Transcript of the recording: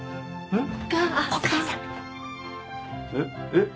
えっ？